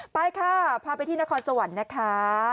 ไปค่ะพาไปที่นครสวรรค์นะคะ